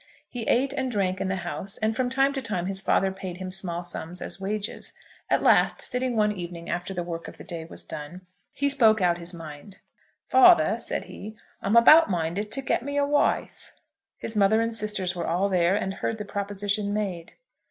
He ate and drank in the house, and from time to time his father paid him small sums as wages. At last, sitting one evening after the work of the day was done, he spoke out his mind. "Father," said he, "I'm about minded to get me a wife." His mother and sisters were all there and heard the proposition made.